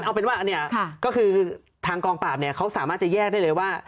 เอาเป็นว่าอันนี้ก็คือทางกองปราบเนี่ยเขาสามารถจะแยกได้เลยว่า